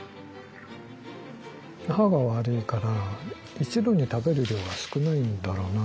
歯が悪いから一度に食べる量が少ないんだろうな。